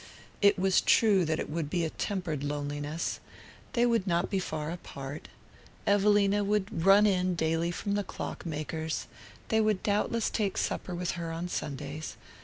It was true that it would be a tempered loneliness. They would not be far apart. Evelina would "run in" daily from the clock maker's; they would doubtless take supper with her on Sundays.